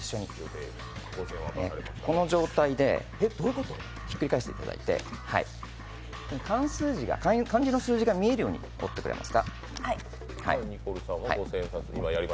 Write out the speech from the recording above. この状態でひっくり返していただいて、漢字の数字が見えるように折っていただけますか。